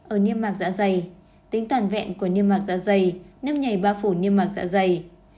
ở niêm mạc dạ dày tính toàn vẹn của niêm mạc dạ dày nếp nhảy ba phủ niêm mạc dạ dày